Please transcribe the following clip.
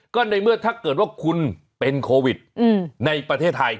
ก็ในเมื่อถ้าเกิดว่าคุณเป็นโควิดในประเทศไทย